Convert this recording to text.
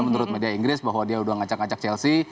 menurut media inggris bahwa dia sudah ngacak ngacak chelsea